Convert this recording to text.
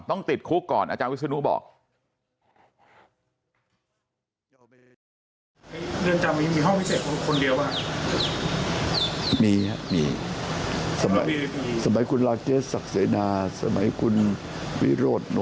ต้องติดคุกก่อน